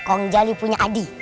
kong jali punya adi